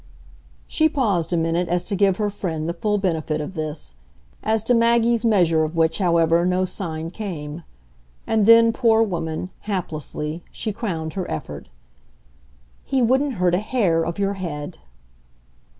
She paused a minute as to give her friend the full benefit of this as to Maggie's measure of which, however, no sign came; and then, poor woman, haplessly, she crowned her effort. "He wouldn't hurt a hair of your head."